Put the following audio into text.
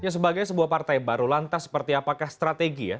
sebagai sebuah partai baru lantas seperti apakah strategi ya